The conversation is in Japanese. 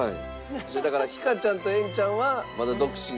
だからひかちゃんとえんちゃんはまだ独身で。